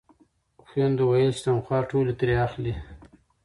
خویندو ویل چې تنخوا ټولې ترې اخلئ.